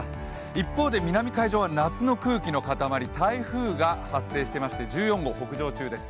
一方で南海上は夏の空気の塊、台風が発生していまして、１４号、北上中です。